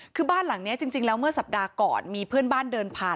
คือบ้านหลังนี้จริงแล้วเมื่อสัปดาห์ก่อนมีเพื่อนบ้านเดินผ่าน